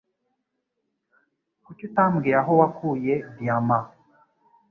Kuki utambwira aho wakuye diyama